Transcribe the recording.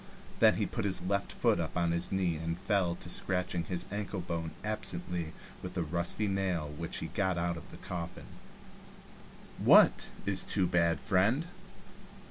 Then he put his left foot up on his knee and fell to scratching his anklebone absently with a rusty nail which he got out of his coffin. "What is too bad, friend?"